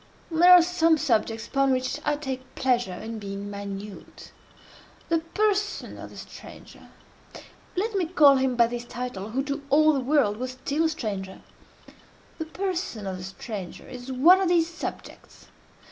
There are some subjects upon which I take pleasure in being minute. The person of the stranger—let me call him by this title, who to all the world was still a stranger—the person of the stranger is one of these subjects.